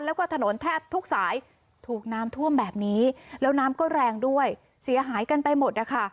แล้วก็ถนนแทบทุกสายถูกน้ำท่วมแบบนี้แล้วน้ำก็แรงด้วยเสียหายกันไปหมดนะคะ